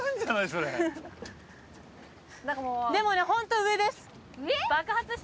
それでもねホント上です上！？